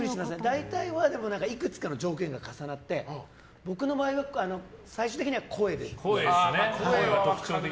大体はいくつかの条件が重なって僕の場合は声です。